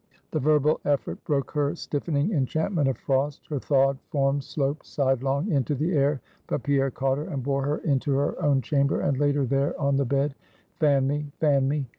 The verbal effort broke her stiffening enchantment of frost; her thawed form sloped sidelong into the air; but Pierre caught her, and bore her into her own chamber, and laid her there on the bed. "Fan me; fan me!"